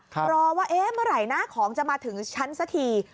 เพราะว่าเมื่อไรของจะมาถึงชั้นสักที